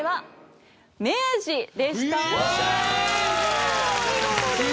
お見事です。